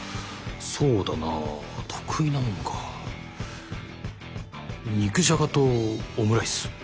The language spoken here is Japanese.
そうだなあ得意なもんか肉じゃがとオムライス